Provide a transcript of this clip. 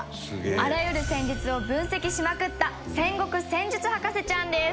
あらゆる戦術を分析しまくった戦国戦術博士ちゃんです。